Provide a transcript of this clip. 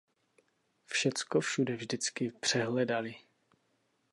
Všecko všude vždycky přehledali.